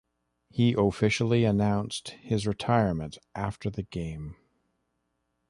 He officially announced his retirement after the game.